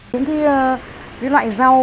những cái loại rau